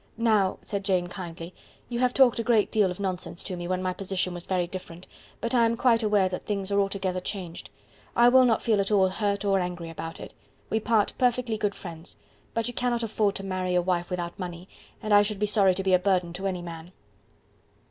"Now," said Jane kindly, "you have talked a great deal of nonsense to me when my position was very different; but I am quite aware that things are altogether changed. I will not feel at all hurt or angry about it. We part perfectly good friends. But you cannot afford to marry a wife without money, and I should be sorry to be a burden to any man."